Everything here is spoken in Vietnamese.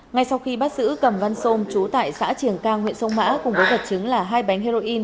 ngay sau khi bắt giữ cầm văn sôm chú tại xã triềng cang huyện sông mã cùng với vật chứng là hai bánh heroin